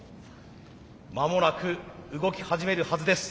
間もなく動き始めるはずです。